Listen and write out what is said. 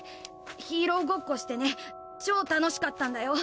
ヒーローごっこしてねちょう楽しかったんだよ。